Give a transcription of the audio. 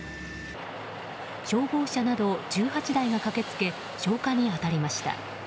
消防車など１８台が駆けつけ消火に当たりました。